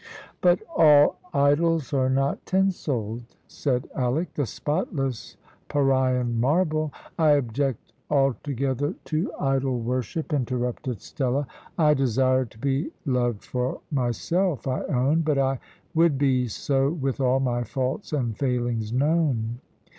"But all idols are not tinselled," said Alick. "The spotless Parian marble " "I object altogether to idol worship," interrupted Stella. "I desire to be loved for myself, I own, but I would be so with all my faults and failings known.